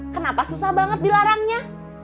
kenapa susah banget dilarangnya